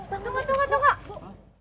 tunggu tunggu tunggu